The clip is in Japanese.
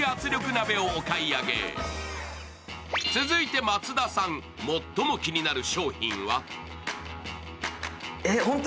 続いて松田さん、最も気になる商品は？